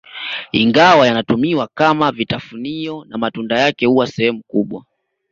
Ingawa yanatumiwa kama vitafunio na matunda yake huwa sehemu kubwa